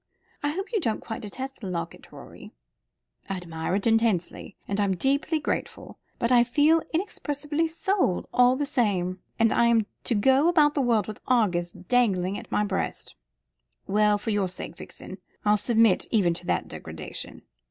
I hope you don't quite detest the locket, Rorie." "I admire it intensely, and I'm deeply grateful. But I feel inexpressibly sold, all the same. And I am to go about the world with Argus dangling at my breast. Well, for your sake, Vixen, I'll submit even to that degradation."